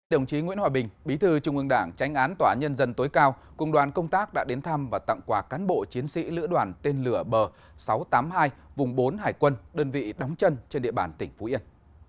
đồng chí nguyễn hòa bình bí thư trung ương đảng tránh án tòa nhân dân tối cao cùng đoàn công tác đã đến thăm và tặng quà cán bộ chiến sĩ lữ đoàn tên lửa b sáu trăm tám mươi hai vùng bốn hải quân đơn vị đóng chân trên địa bàn tỉnh phú yên